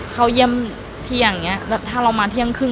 เข้าเยี่ยมเที่ยงอย่างนี้แบบถ้าเรามาเที่ยงครึ่ง